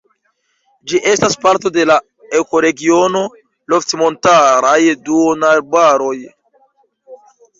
Ĝi estas parto de la ekoregiono lofti-montaraj duonarbaroj.